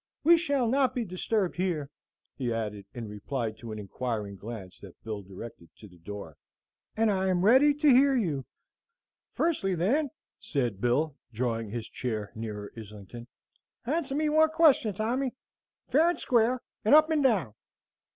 We shall not be disturbed here," he added, in reply to an inquiring glance that Bill directed to the door, "and I am ready to hear you." "Firstly, then," said Bill, drawing his chair nearer Islington, "answer me one question, Tommy, fair and square, and up and down."